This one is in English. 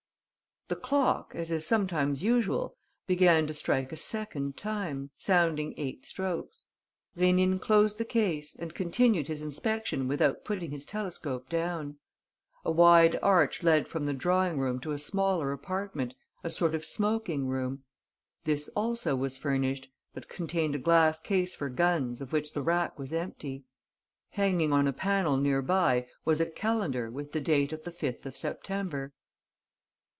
The clock, as is sometimes usual, began to strike a second time, sounding eight strokes. Rénine closed the case and continued his inspection without putting his telescope down. A wide arch led from the drawing room to a smaller apartment, a sort of smoking room. This also was furnished, but contained a glass case for guns of which the rack was empty. Hanging on a panel near by was a calendar with the date of the 5th of September.